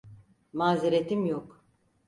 Mazeretim yok.